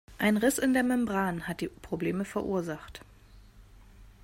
Ein Riss in der Membran hat die Probleme verursacht.